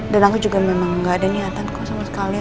dan aku juga memang nggak ada niatanku sama sekali